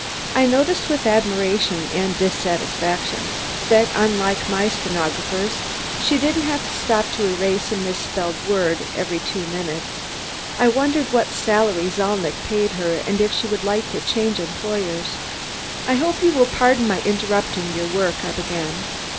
I noticed with admiration and dissatisfaction, that unlike my stenographers, she didn't have to stop to erase a misspelled word every two minutes. I wondered what salary Zalnitch paid her and if she would like to change employers. "I hope you will pardon my interrupting your work " I began.